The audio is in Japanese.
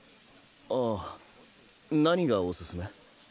ああ何がおすすめ？